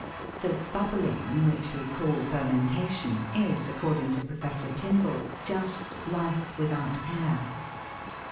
The "bubbling" which we call fermentation, is, according to Professor Tyndall, just " life without air."